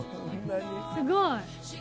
すごい。